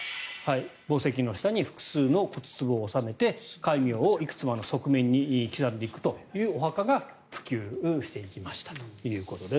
墓石の下に複数の骨つぼを納めて戒名をいくつもの側面に刻んでいくお墓が普及しましたということです。